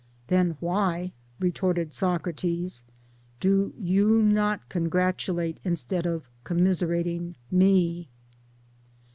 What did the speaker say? " Then why," re torted Socrates, " do you not congratulate instead of commiserating: me?